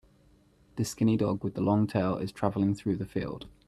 The skinny dog with the long tail is traveling through the field.